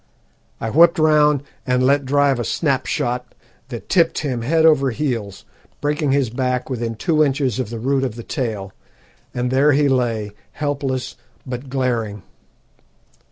I whipped round and let drive a snap shot that tipped him head over heels, breaking his back within two inches of the root of the tail, and there he lay helpless but glaring.